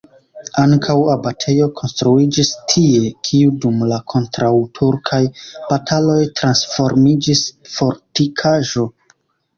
Ankaŭ abatejo konstruiĝis tie, kiu dum la kontraŭturkaj bataloj transformiĝis fortikaĵo.